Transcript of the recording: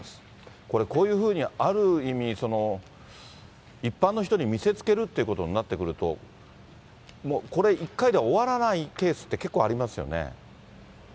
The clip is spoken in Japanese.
これ、こういうふうにある意味、一般の人に見せつけるということになってくると、もう、これ、１回では終わらないケースって結構ありますよね。